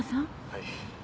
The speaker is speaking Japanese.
はい。